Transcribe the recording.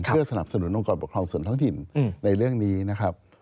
เพื่อสนับสนุนองค์กรปกครองส่วนท้องถิ่นในเรื่องนี้นะครับ